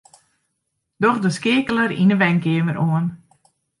Doch de skeakeler yn 'e wenkeamer oan.